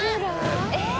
えっ？